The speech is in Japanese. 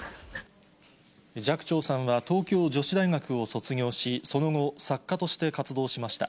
寂聴さんは、東京女子大学を卒業し、その後、作家として活動しました。